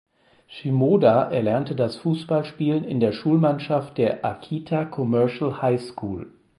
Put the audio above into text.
Shimoda erlernte das Fußballspielen in der Schulmannschaft der "Akita Commercial High School".